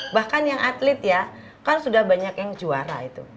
bahkan yang atlet ya kan sudah banyak yang juara itu